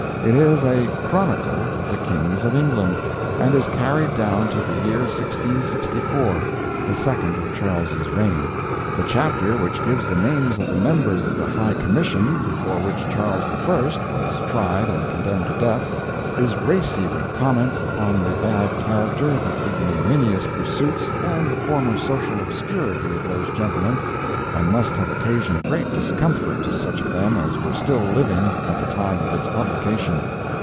It is a "Chronicle" of the Kings of England, and is carried down to the year 1664, the second of Charles' reign. The chapter which gives the names of the members of the High Commission before which Charles I. was tried and condemned to death, is racy with comments upon the bad character, the ignominious pursuits, and the former social obscurity of those gentlemen, and must have occasioned great discomfort to such of them as were still living at the time of its publication.